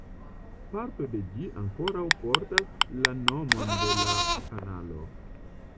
Parto de ĝi ankoraŭ portas la nomon de la kanalo.